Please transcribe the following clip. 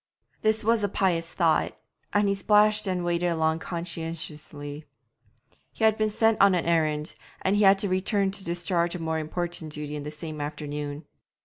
This was a pious thought, and he splashed and waded along conscientiously. He had been sent on an errand, and had to return to discharge a more important duty in the same afternoon.